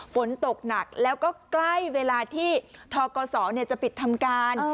ฝนตกหนักแล้วก็ใกล้เวลาที่ทกศจะปิดทำการ